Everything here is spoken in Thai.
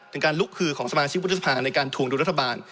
การลุกคือของสมาชิกวุฒิสภาในการทวงดุลรัฐบาล